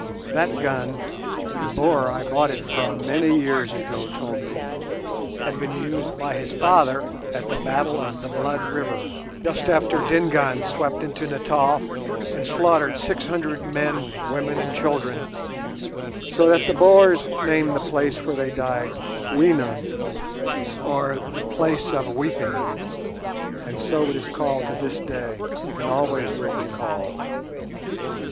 That gun, the Boer I bought it from many years ago told me, had been used by his father at the battle of the Blood River, just after Dingaan swept into Natal and slaughtered six hundred men, women, and children, so that the Boers named the place where they died "Weenen", or the "Place of Weeping"; and so it is called to this day, and always will be called.